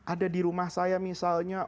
ada di rumah saya misalnya